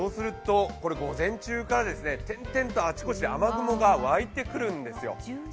午前中から点々とあちこちで雨雲が湧いてくるんですよ。